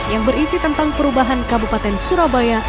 yang berisi tentang perubahan kabupaten surabaya